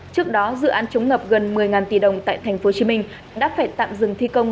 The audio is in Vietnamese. trước đó dự án chống ngập gần một mươi tỷ đồng tại tp hcm đã phải tạm dừng thi công